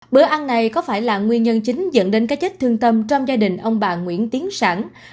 bữa ăn này có phải là nguyên nhân chính dẫn đến các chất thương tâm trong gia đình ông bà nguyễn tiến sẵn